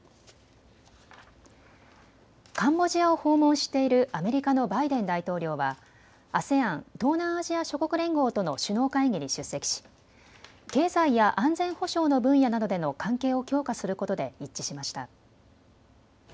カンボジアを訪問しているアメリカのバイデン大統領はＡＳＥＡＮ・東南アジア諸国連合との首脳会議に出席し、経済や安全保障の分野などでの関係を強化することで一致しました。